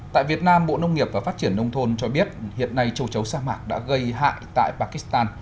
tại việt nam bộ nông nghiệp và phát triển nông thôn cho biết hiện nay châu chấu sa mạc đã gây hại tại pakistan